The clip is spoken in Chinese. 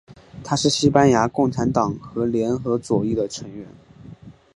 他是西班牙共产党和联合左翼的成员。